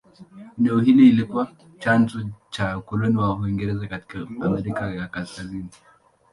Eneo hili lilikuwa chanzo cha ukoloni wa Uingereza katika Amerika ya Kaskazini.